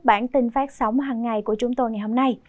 bản tin phát sóng hằng ngày của chúng tôi ngày hôm nay